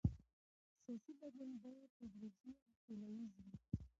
سیاسي بدلون باید تدریجي او سوله ییز وي